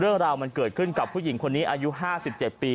เรื่องราวมันเกิดขึ้นกับผู้หญิงคนนี้อายุ๕๗ปี